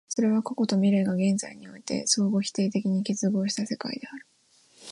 それは過去と未来が現在において相互否定的に結合した世界である。